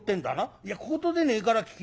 「いや小言でねえから聞きなせえ。